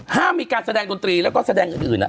ห้ามมีการแสดงดนตรีแล้วก็แสดงอื่น